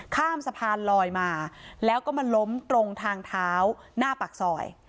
ข้ามสะพานลอยมาแล้วก็มาล้มตรงทางเท้าหน้าปากซอย